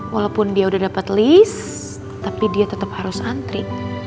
walaupun dia udah dapat list tapi dia tetap harus antri